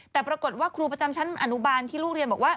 แต่ปรากฏว่าครูประจำชั้นอนุบาลที่ลูกเรียนบอกว่า